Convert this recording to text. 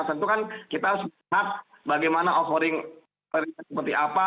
tentu kan kita harus melihat bagaimana offering seperti apa